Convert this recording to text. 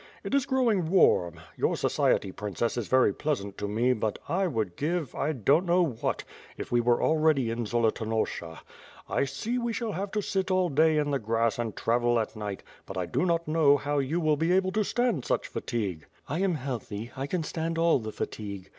It is growing warm; your society. Princess, is very pleasant to me but I would give, I don't know what, if we were already in Zolotonosha. I see we shall have to sit all day in the grass and travel at night, but I do not know how you will be able to stand such fatigue." "I am healthy; I can stand all the fatigue.